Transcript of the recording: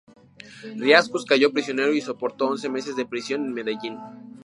Riascos cayó prisionero y soportó once meses de prisión en Medellín.